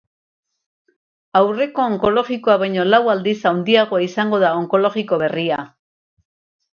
Aurreko onkologikoa baino lau aldiz handiagoa izango da onkologiko berria.